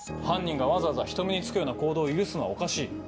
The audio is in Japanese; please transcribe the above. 犯人がわざわざ人目につくような行動を許すのはおかしい。